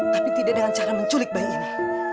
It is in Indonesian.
tapi tidak dengan cara menculik bayi ini